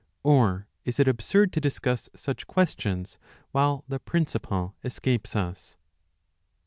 Or is it absurd to discuss such questions, while the principle escapes us